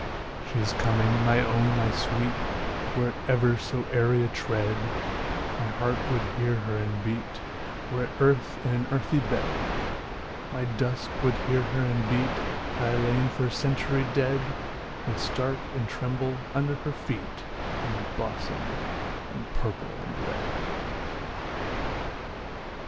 She is coming, my own, my sweet; Were it ever so airy a tread, My heart would hear her and beat, Were it earth in an earthy bed; My dust would hear her and beat, Had I lain for a century dead; Would start and tremble under her feet, And blossom in purple and red.